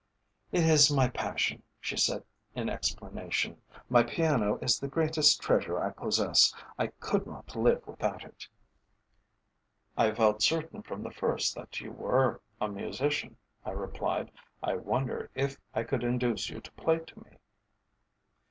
"It is my passion," she said in explanation. "My piano is the greatest treasure I possess. I could not live without it." "I felt certain from the first that you were a musician," I replied. "I wonder if I could induce you to play to me?"